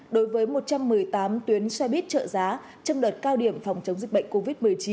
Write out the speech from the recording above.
đối với một trăm một mươi tám tuyến xe buýt trợ giá trong đợt cao điểm phòng chống dịch bệnh covid một mươi chín